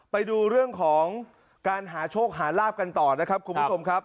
ไปดูเรื่องของการหาโชคหาลาบกันต่อนะครับคุณผู้ชมครับ